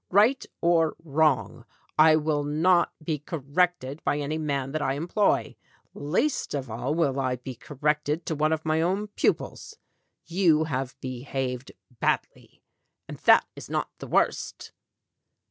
Right or wrong, I will not be corrected by any man that I employ. Least of all will I be corrected to one of my own pupils. You have behaved badly. And that is not the worst